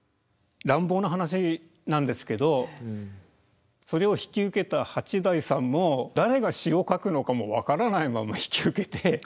乱暴な話なんですけどそれを引き受けた八大さんも誰が詞を書くのかも分からないまま引き受けて。